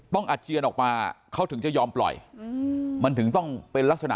อาเจียนออกมาเขาถึงจะยอมปล่อยมันถึงต้องเป็นลักษณะ